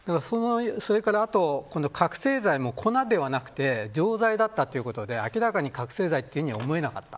あとは覚せい剤も粉ではなくて錠剤だったということで明らかに覚せい剤とは思えなかった。